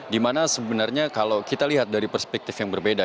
dimana sebenarnya kalau kita lihat dari perspektif yang berbeda